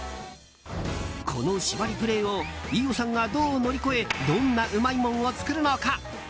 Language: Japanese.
この縛りプレーを飯尾さんがどう乗り越えどんなうまいもんを作るのか。